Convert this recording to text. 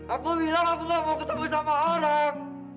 aku bilang aku gak mau ketemu sama orang